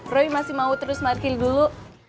roy masih mau terus markill dulu